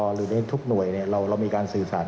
หรือในทุกหน่วยเรามีการสื่อสาร